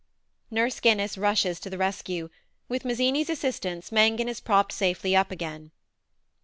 Nurse Guinness rushes to the rescue. With Mazzini's assistance, Mangan is propped safely up again.